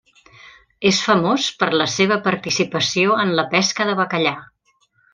És famós per la seva participació en la pesca de bacallà.